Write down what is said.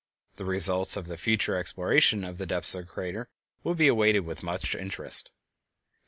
The results of the future exploration of the depths of the crater will be awaited with much interest.